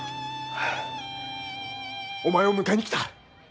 お前を迎えに来た。